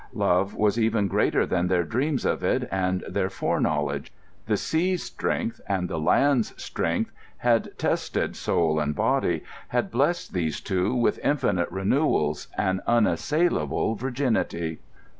Love was even greater than their dreams of it and their foreknowledge. The sea's strength and the land's strength had tested soul and body, had blessed these two with infinite renewals, an unassailable virginity.